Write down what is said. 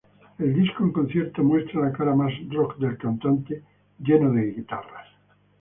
El disco en concierto muestra la cara más rock del cantante, lleno de guitarras.